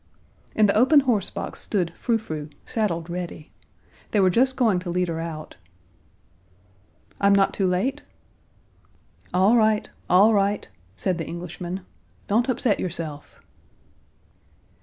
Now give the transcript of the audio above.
In the open horse box stood Frou Frou, saddled ready. They were just going to lead her out. "I'm not too late?" "All right! All right!" said the Englishman; "don't upset yourself!"